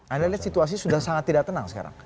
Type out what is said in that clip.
anda lihat situasi sudah sangat tidak tenang sekarang